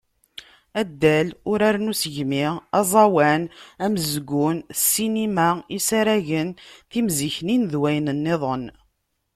Addal, uraren n usegmi, aẓawan, amezgun, ssinima, isaragen, timziknin d wayen-nniḍen.